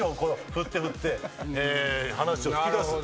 振って振って話を引き出す。